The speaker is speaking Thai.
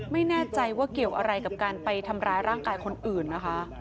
ไม่แน่ใจว่าเกี่ยวอะไรกับการไปทำร้ายร่างกายคนอื่นนะคะ